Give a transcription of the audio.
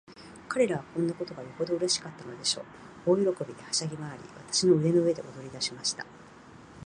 彼等はこんなことがよほどうれしかったのでしょう。大喜びで、はしゃぎまわり、私の胸の上で踊りだしました。